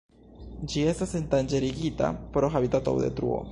Ĝi estas endanĝerigita pro habitatodetruo.